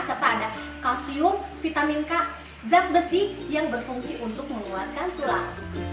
serta ada kalsium vitamin k zat besi yang berfungsi untuk mengeluarkan tulang